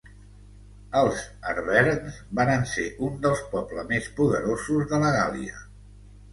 Els arverns varen ser un dels pobles més poderosos de la Gàl·lia.